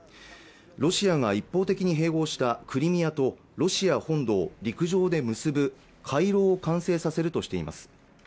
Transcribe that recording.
ロシアが一方的に併合したクリミアとロシア本土を陸上で結ぶ回廊を完成させるとしています